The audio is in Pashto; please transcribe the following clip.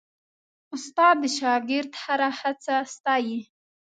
استاد د شاګرد هره هڅه ستايي.